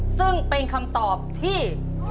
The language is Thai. ซึ่งเป็นคำตอบที่